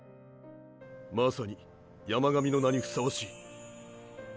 まさに山神の名にふさわしい。